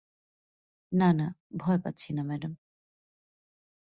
না, না, ভয় পাচ্ছি না, ম্যাডাম।